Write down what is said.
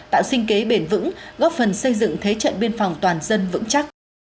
tạo sinh kế bền vững góp phần xây dựng thế trận biên phòng toàn dân vững chắc